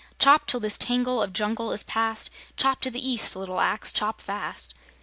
Chop till this tangle of jungle is passed; Chop to the east, Little Axe chop fast!"